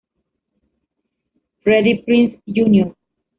Freddie Prinze, Jr.